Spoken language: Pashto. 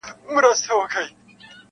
د ښوونکو جامې نه وي د چا تن کي -